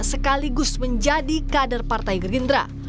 sekaligus menjadi kader partai gerindra